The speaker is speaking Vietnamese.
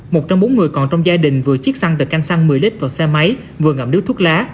một trong bốn người còn trong gia đình vừa chiếc xăng từ canh xăng một mươi lít vào xe máy vừa ngậm điếu thuốc lá